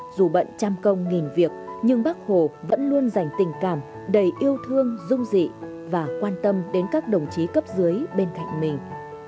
dù bận trăm công nghìn việc nhưng bác hồ vẫn luôn dành tình cảm đầy yêu thương dung dị và quan tâm đến các đồng chí cấp dưới bên cạnh mình